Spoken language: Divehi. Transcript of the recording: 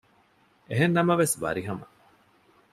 އެހެންނަމަވެސް ވަރިހަމަ